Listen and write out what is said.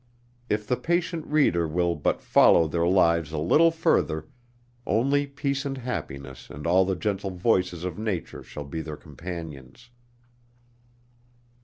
If the patient reader will but follow their lives a little further, only peace and happiness and all the gentle voices of nature shall be their companions.